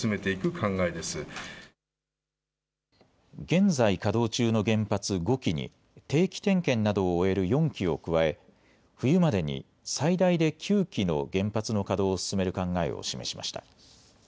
現在稼働中の原発５基に定期点検などを終える４基を加え冬までに最大で９基の原発の稼働を進める考えを示しました。